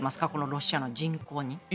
ロシアの人口に。